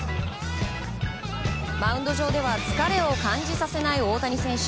マウンド上では疲れを感じさせない大谷選手。